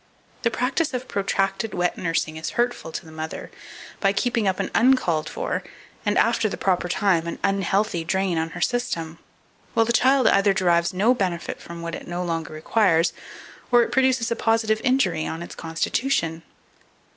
2487. The practice of protracted wet nursing is hurtful to the mother, by keeping up an uncalled for, and, after the proper time, an unhealthy drain on her system, while the child either derives no benefit from what it no longer requires, or it produces a positive injury on its constitution.